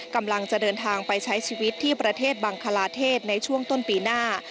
กำลังจะเดินทางไปใช้ชีวิตที่ประเทศบังคลาเทศในช่วงต้นปีหน้า